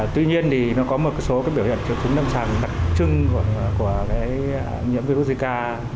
tuy nhiên thì nó có một số biểu hiện trường trứng nâng sàng đặc trưng của nhiễm virus zika